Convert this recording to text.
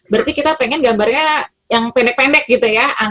berarti kita pengen gambarnya yang pendek pendek gitu ya